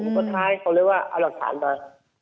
ผมก็ท้ายเขาเรียกว่าเอาหลักฐานมา